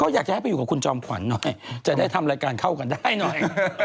อยากจะให้ไปอยู่กับคุณจอมขวัญหน่อยจะได้ทำรายการเข้ากันได้หน่อย